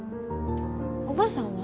おばあさんは？